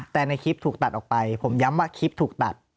แต่ในคลิปถูกตัดออกไปผมย้ำว่าคลิปถูกตัด